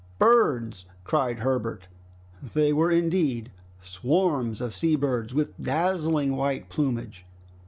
"Birds!" cried Herbert. They were indeed swarms of sea birds, with dazzling white plumage.